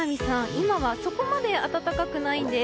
今はそこまで暖かくないんです。